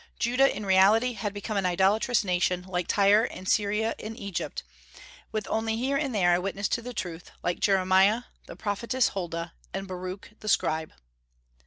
Judah in reality had become an idolatrous nation like Tyre and Syria and Egypt, with only here and there a witness to the truth, like Jeremiah, the prophetess Huldah, and Baruch the scribe.